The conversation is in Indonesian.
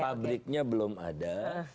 nah pabriknya belum ada